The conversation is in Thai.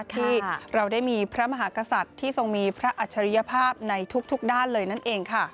ที่เราได้มีพระมหากษัตริย์ที่ทรงมีพระอัจฉริยภาพในทุกด้านเลยนั่นเองค่ะ